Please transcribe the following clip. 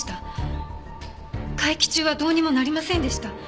会期中はどうにもなりませんでした。